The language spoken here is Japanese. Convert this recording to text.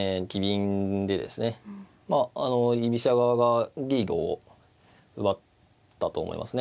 あの居飛車側がリードを奪ったと思いますね。